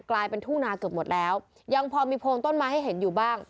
กลายเป็นทุ่งนาเกือบหมดแล้วยังพอมีโพงต้นไม้ให้เห็นอยู่บ้าง